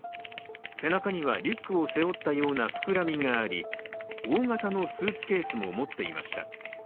背中にはリュックを背負ったような膨らみがあり大型のスーツケースも持っていました。